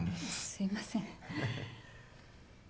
すいません。